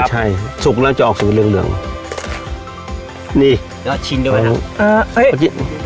ใช่สุกแล้วจะออกสูงเหลืองเหลืองนี่เออชิ้นด้วยครับเออเอ๊ะ